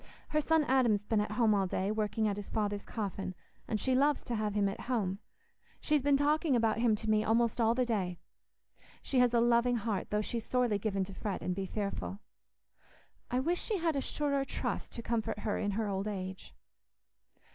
Her son Adam's been at home all day, working at his father's coffin, and she loves to have him at home. She's been talking about him to me almost all the day. She has a loving heart, though she's sorely given to fret and be fearful. I wish she had a surer trust to comfort her in her old age."